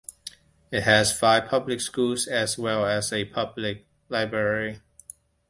It has five public schools as well as a public library.